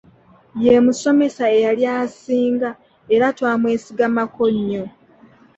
Ye musomesa eyali asinga era twamwesigamangako nnyo.